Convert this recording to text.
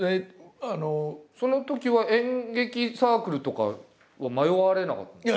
そのときは演劇サークルとかは迷われなかったんですか？